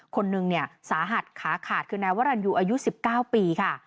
คนหนึ่งเนี่ยสาหัสขาขาดคือนายวรรณยูอายุ๑๙ปีค่ะ